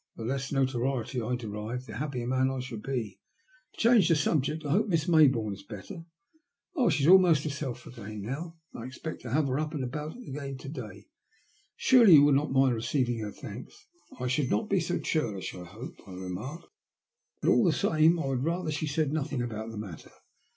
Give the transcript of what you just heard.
The less notoriety I derive, the happier man I shall be. To change the subject, I hope Miss Mayboume is better?" "Oh, she's almost herself again now. I expect to have her up and about again to day. Surely you will not mind receiving her thanks ?"" I should not be so churlish, I hope," I remarked ;" but all the same, I would rather she said nothing about the matter.